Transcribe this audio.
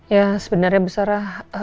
ya sebenarnya musara